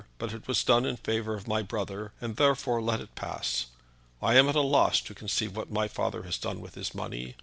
But it was done in favor of my brother, and therefore let it pass. I am at a loss to conceive what my father has done with his money.